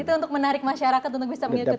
itu untuk menarik masyarakat untuk bisa mengikuti